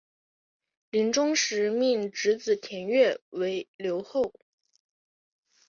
临终时命侄子田悦为留后。